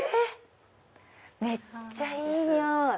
めっちゃいい匂い！